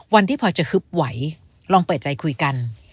วันที่พอจะฮึบไหวลองเปิดใจคุยกัน